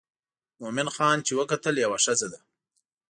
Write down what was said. مومن خان چې وکتل یوه ښځه ده.